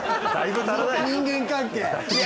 人間関係。